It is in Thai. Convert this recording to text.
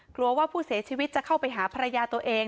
กลัวว่าผู้เสียชีวิตจะเข้าไปหาภรรยาตัวเอง